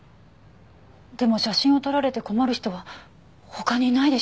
でも写真を撮られて困る人は他にいないでしょ。